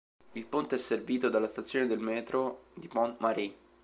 Il ponte è servito dalla stazione del "Métro" di Pont Marie.